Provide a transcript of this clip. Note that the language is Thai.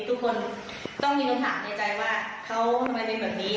ทุกคนต้องมีคำถามในใจว่าเขาทำไมเป็นแบบนี้